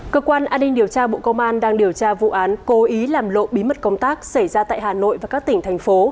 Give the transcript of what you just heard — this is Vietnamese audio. cơ quan an ninh điều tra bộ công an đang điều tra vụ án cố ý làm lộ bí mật công tác xảy ra tại hà nội và các tỉnh thành phố